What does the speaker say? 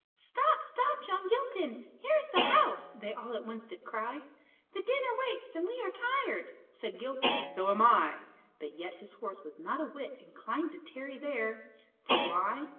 "Stop, stop, John Gilpin! Here's the house!" They all at once did cry; "The dinner waits, and we are tired;" Said Gilpin "So am I!" But yet his horse was not a whit Inclined to tarry there; For why?